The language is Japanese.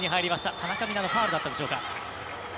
田中美南のファウルだったでしょうか。